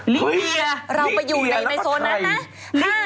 ลิเวียเราไปอยู่ในโซนนั้นนะ